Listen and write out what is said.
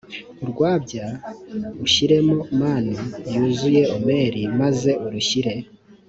urwabya ushyiremo manu yuzuye omeri maze urushyire